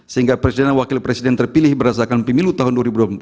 sehingga presiden dan wakil presiden terpilih berdasarkan pemilu tahun dua ribu dua puluh empat